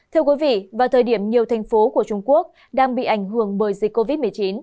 thưa quý vị vào thời điểm nhiều thành phố của trung quốc đang bị ảnh hưởng bởi dịch covid một mươi chín